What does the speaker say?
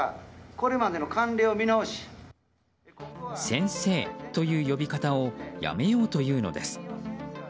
先生という呼び方をやめようというのです。